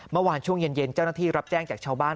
เมื่อวานช่วงเย็นเจ้าหน้าที่รับแจ้งจากชาวบ้าน